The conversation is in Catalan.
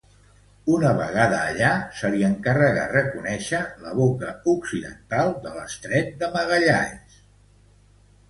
Una vegada allà se li encarregà reconèixer la boca occidental de l'estret de Magallanes.